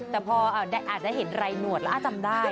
แต่พออาจจะเห็นรายหนวดแล้วจำได้